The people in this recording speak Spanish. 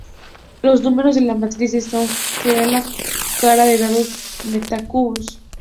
Los números de la matriz del Zong-Ji serán la cara de Dados–Metacubos.